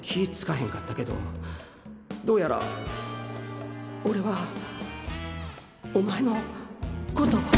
へんかったけどどうやら俺はお前のこと